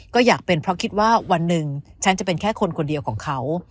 ก็อยากเป็นเพราะคิดว่าวันหนึ่งฉันจะเป็นแค่คนคนเดียวของเขา